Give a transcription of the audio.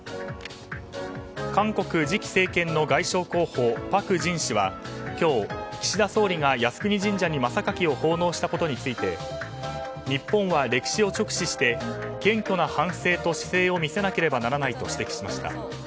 韓国次期政権の外相候補パク・ジン氏は今日、岸田総理が靖国神社に真榊を奉納したことについて日本は歴史を直視して謙虚な反省と姿勢を見せなければならないと指摘しました。